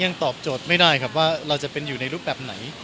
ตอบโจทย์ไม่ได้ครับว่าเราจะเป็นอยู่ในรูปแบบไหน